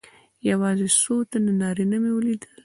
یوازې څو تنه نارینه مې ولیدل.